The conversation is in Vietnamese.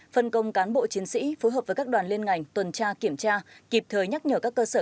phân công cán bộ chiến sĩ phối hợp với các đoàn liên ngành tuần tra kiểm tra kịp thời nhắc nhở các cơ sở